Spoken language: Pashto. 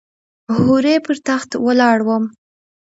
هورې پر تخت ولاړه وم .